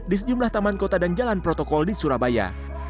di sejumlah taman kota dan jalan protokol di surabaya